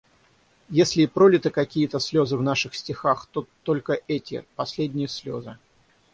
Если и пролиты какие-то слёзы в наших стихах, то только эти, последние слёзы.